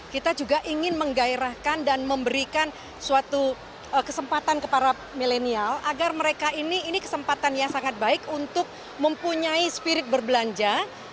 kita juga ingin menggairahkan dan memberikan suatu kesempatan kepada milenial agar mereka ini kesempatan yang sangat baik untuk mempunyai spirit berbelanja